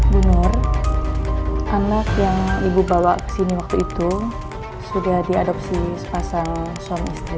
bu nur anak yang ibu bawa ke sini waktu itu sudah diadopsi sepasang suami istri